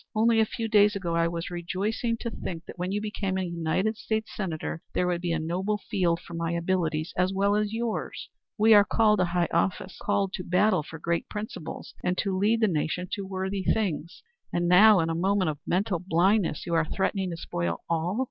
Only a few days ago I was rejoicing to think that when you became a United States Senator, there would be a noble field for my abilities as well as yours. We are called to high office, called to battle for great principles and to lead the nation to worthy things. And now, in a moment of mental blindness, you are threatening to spoil all.